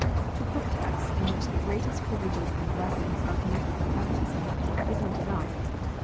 To quote texts in which the BAPTISM. 105 greatest privileges and blessings are connected with baptism, is not enough.